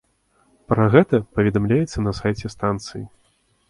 Пра гэта паведамляецца на сайце станцыі.